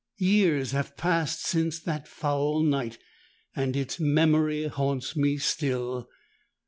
Years have passed since that foul night; and its memory haunts me still.